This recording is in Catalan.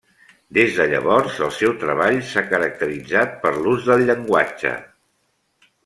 Des de llavors el seu treball s’ha caracteritzat per l’ús del llenguatge.